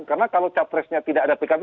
karena kalau capresnya tidak ada pkb